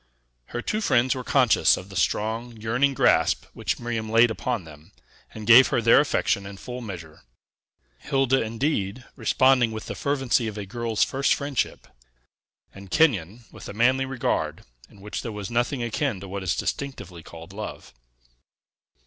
Her two friends were conscious of the strong, yearning grasp which Miriam laid upon them, and gave her their affection in full measure; Hilda, indeed, responding with the fervency of a girl's first friendship, and Kenyon with a manly regard, in which there was nothing akin to what is distinctively called love.